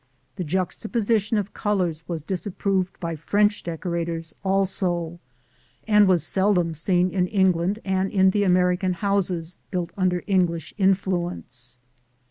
This juxtaposition of colors was disapproved by French decorators also, and was seldom seen except in England and in the American houses built under English influence.